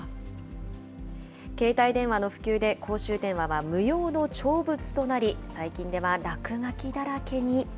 携帯電話の普及で公衆電話は無用の長物となり、最近では落書きだらけに。